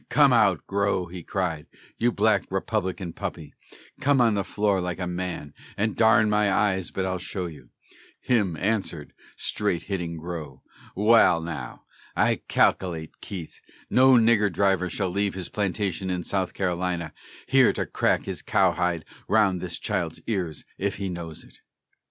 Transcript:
"Come out, Grow," he cried, "you Black Republican puppy, Come on the floor, like a man, and darn my eyes, but I'll show you" Him answered straight hitting Grow, "Wall now, I calkilate, Keitt, No nigger driver shall leave his plantation in South Carolina, Here to crack his cow hide round this child's ears, if he knows it."